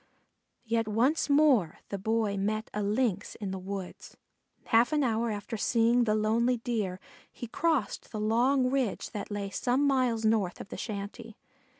Yet once more the Boy met a Lynx in the woods. Half an hour after seeing the lonely Deer he crossed the long ridge that lay some miles north of the shanty.